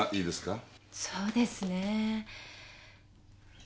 そうですねぇ。